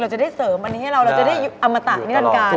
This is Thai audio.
เราจะได้เสริมอันนี้ให้เราเราจะได้อมตะอย่างนี้ด้านการเนอะ